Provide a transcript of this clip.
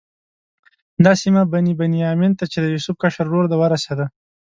دا سیمه بني بنیامین ته چې د یوسف کشر ورور دی ورسېده.